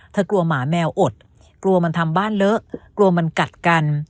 กลัวหมาแมวอดกลัวมันทำบ้านเลอะกลัวมันกัดกัน